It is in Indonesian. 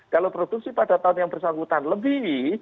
kalau produksi pada tahun yang bersangkutan lebih